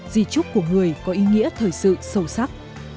di trúc của người có ý nghĩa thời sự sâu sắc